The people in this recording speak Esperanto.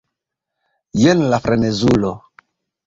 jen la frenezulo!